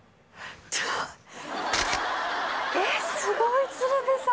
ちょっえっすごい鶴瓶さん